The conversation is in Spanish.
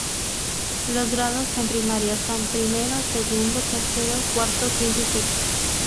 Los grados en primaria son: primero, segundo, tercero, cuarto, quinto y sexto.